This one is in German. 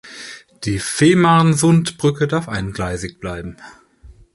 Die Fehmarnsundbrücke darf eingleisig bleiben.